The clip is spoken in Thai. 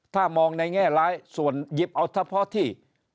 ถ้ามองในแง่ร้ายส่วนหยิบเอาเฉพาะที่